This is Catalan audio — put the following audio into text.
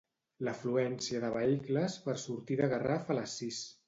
L'afluència de vehicles per sortir de Garraf a les sis.